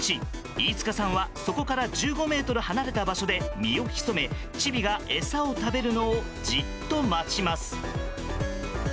飯塚さんはそこから１５ｍ離れた場所で身を潜めチビが餌を食べるのをじっと待ちます。